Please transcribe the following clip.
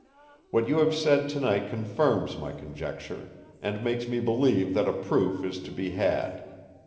What you have said tonight confirms my conjecture, and makes me believe that a proof is to be had.